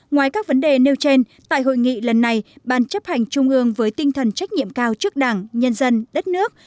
ngoài các vấn đề nêu trên tại hội nghị lần này ban chấp hành trung ương với tinh thần trách nhiệm cao trước đảng nhân dân đất nước